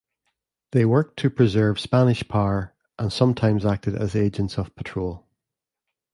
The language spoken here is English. They worked to preserve Spanish power and sometimes acted as agents of patrol.